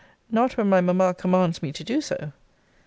Not when my mamma commands me to do so.